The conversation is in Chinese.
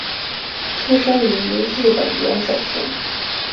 出身于日本岩手县。